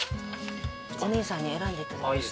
お姉さんに選んでいただきました。